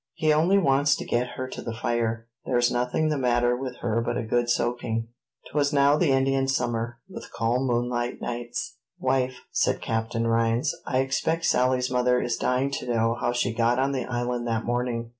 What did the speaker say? "He only wants to get her to the fire; there's nothing the matter with her but a good soaking." 'Twas now the Indian summer, with calm moonlight nights. "Wife," said Captain Rhines, "I expect Sally's mother is dying to know how she got on the island that morning.